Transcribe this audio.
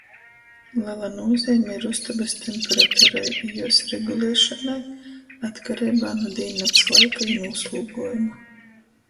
Lela nūzeime ir ustobys temperaturai i juos reguliešonai atkareibā nu dīnnakts laika i nūslūguojuma.